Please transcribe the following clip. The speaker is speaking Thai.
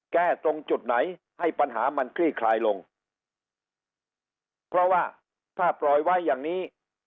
แก้ตรงจุดไหนให้ปัญหามันคลี่คลายลงเพราะว่าถ้าปล่อยไว้อย่างนี้